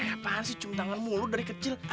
eh apaan sih cum tangan mulu dari kecil